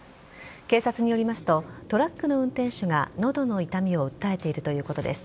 警察によりますとトラックの運転手が喉の痛みを訴えているということです。